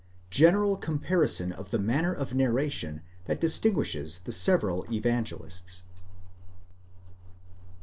GENERAL COMPARISON OF THE MANNER OF NARRATION THAT DISTIN GUISHES THE SEVERAL EVANGELISTS.